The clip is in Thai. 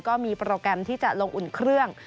ก็มีโปรแกรมที่จะลงอุ่นเครื่อง